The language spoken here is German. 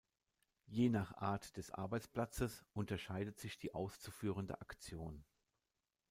Je nach Art des Arbeitsplatzes unterscheidet sich die auszuführende Aktion.